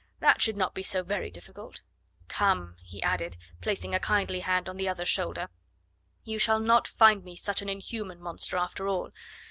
"That should not be so very difficult. Come," he added, placing a kindly hand on the other's shoulder, "you shall not find me such an inhuman monster after all.